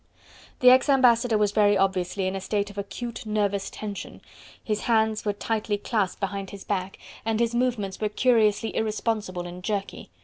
The ex ambassador was very obviously in a state of acute nervous tension; his hands were tightly clasped behind his back, and his movements were curiously irresponsible and jerky.